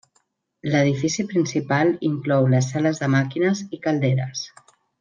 L'edifici principal inclou les sales de màquines i calderes.